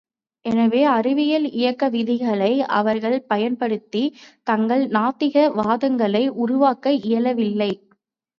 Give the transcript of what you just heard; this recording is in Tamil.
எனவே அறிவியல் இயக்க விதிகளை அவர்கள் பயன்படுத்தித் தங்கள் நாத்திக வாதங்களை உருவாக்க இயலவில்லை.